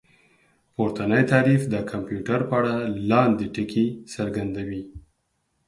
پورتنی تعريف د کمپيوټر په اړه لاندې ټکي څرګندوي